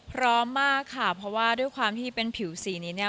พร้อมมากค่ะเพราะว่าด้วยความที่เป็นผิวสีนี้เนี่ย